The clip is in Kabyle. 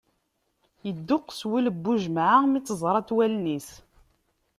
Ydduqes wul n Buǧemεa mi tt-ẓrant wallen-is.